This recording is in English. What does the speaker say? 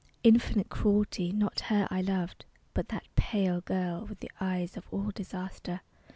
Infinite Cruelty, not her I loved!... But that pale girl, with the eyes of all disaster.